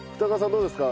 どうですか？